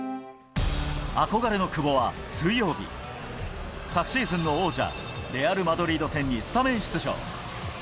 憧れの久保は水曜日、昨シーズンの王者、レアル・マドリード戦にスタメン出場。